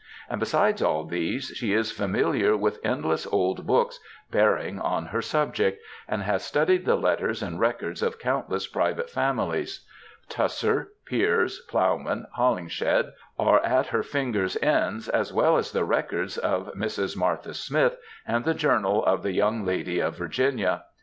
And besides all these, she is familiar with endless old books bearing on her subject, and has studied the letters and records of countless private families. Tusser, Piers Plow man, Holinshed, are at her fingers^ ends, as well as the records of Mrs. Martha Smith, and the journal of ^^the young lady of Virginia.'